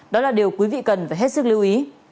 đó là điều quý vị cần phải hết sức lưu ý